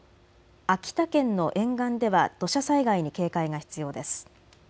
秋田県の沿岸では土砂災害に警戒が必要です。